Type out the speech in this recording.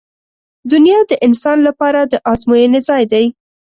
• دنیا د انسان لپاره د ازموینې ځای دی.